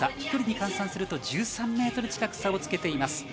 距離にすると１３ｍ近く差をつけています。